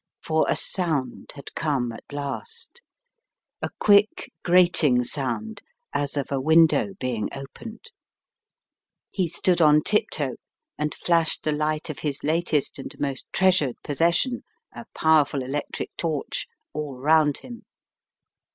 For a sound had come at last, a quick, grating sound as of a window being opened. He stood on tiptoe and flashed the light 120 A Terrible Discovery 121 of his latest and most treasured possession, a power ful electric torch, all round him.